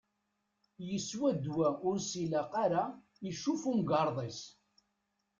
Yeswa ddwa ur s-ilaqen ara icuf umgarḍ-is.